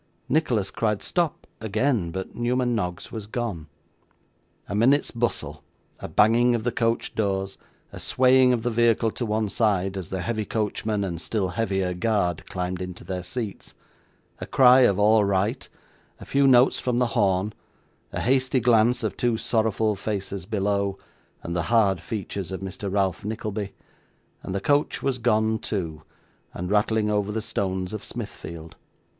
Nicholas cried stop, again, but Newman Noggs was gone. A minute's bustle, a banging of the coach doors, a swaying of the vehicle to one side, as the heavy coachman, and still heavier guard, climbed into their seats; a cry of all right, a few notes from the horn, a hasty glance of two sorrowful faces below, and the hard features of Mr Ralph Nickleby and the coach was gone too, and rattling over the stones of Smithfield.